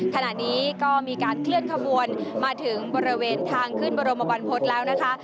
ขณะนี้ก็มีการเคลื่อนขบวนมาถึงบริเวณทางขึ้นบรมบรรพฤษแล้วนะคะ